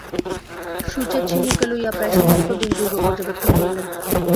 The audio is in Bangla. সুচেতসিংহকে লইয়া প্রায় সমস্ত দিন দুর্গ পর্যবেক্ষণ করিলেন।